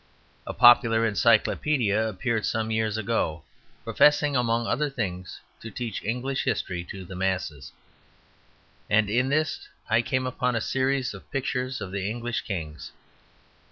A popular Encyclopædia appeared some years ago, professing among other things to teach English History to the masses; and in this I came upon a series of pictures of the English kings.